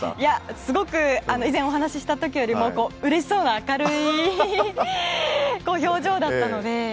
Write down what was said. すごく以前お話しした時よりうれしそうな明るい表情だったので。